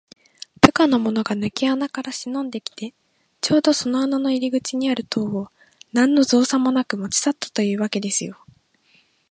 部下のものがぬけ穴からしのんできて、ちょうどその穴の入り口にある塔を、なんのぞうさもなく持ちさったというわけですよ。